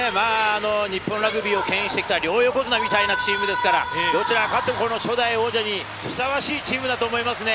日本ラグビーをけん引してきた両横綱みたいなチームですから、どちらが勝っても初代王者にふさわしいチームだと思いますね。